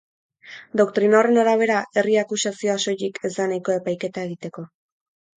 Doktrina horren arabera, herri akusazioa soilik ez da nahikoa epaiketa egiteko.